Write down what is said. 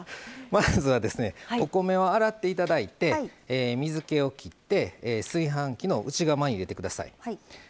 まずは、お米を洗っていただいて水けをきって炊飯器の内釜に入れてください。